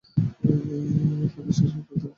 ডানম্বর শহরটি হান নদীর মহনায় গড়ে উঠেছে।